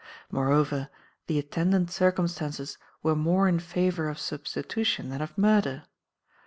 "Moreover, the attendant circumstances were more in favour of substitution than of murder.